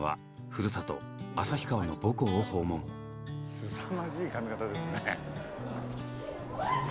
すさまじい髪形ですね。